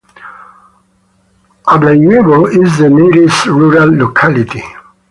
Ablayevo is the nearest rural locality.